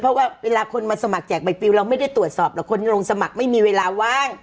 เพราะว่าเวลาคนมาสมัครแจกใบปิวเราไม่ได้ตรวจสอบหรอกคนที่ลงสมัครไม่มีเวลาว่าง